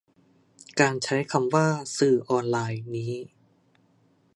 การใช้คำว่า "สื่อออนไลน์" นี้